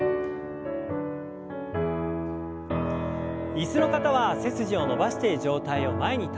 椅子の方は背筋を伸ばして上体を前に倒します。